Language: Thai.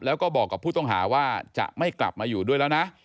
แล้วก็บอกกับผู้ต้องหาว่าจะไม่กลับมาอยู่ด้วยแล้วนะ